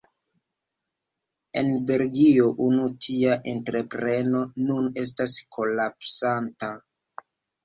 En Belgio unu tia entrepreno nun estas kolapsanta.